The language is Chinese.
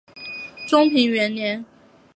中平元年。